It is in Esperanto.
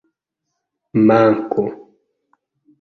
manko